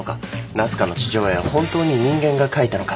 ナスカの地上絵は本当に人間が描いたのか。